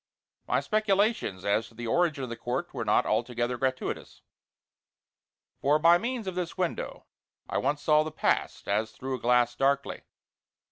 My speculations as to the origin of the court were not altogether gratuitous, for by means of this window I once saw the Past, as through a glass darkly.